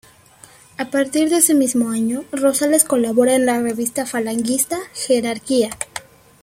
A partir de ese mismo año Rosales colabora en la revista falangista "Jerarquía".